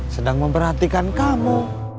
sedang memperhatikan kamu